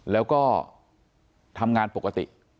แล้วก็ทำงานปกติ